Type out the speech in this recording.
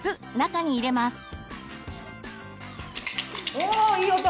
おいい音！